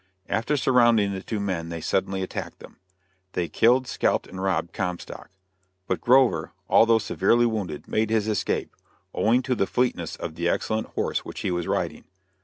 After surrounding the two men they suddenly attacked them. They killed, scalped and robbed Comstock; but Grover, although severely wounded, made his escape, owing to the fleetness of the excellent horse which he was riding.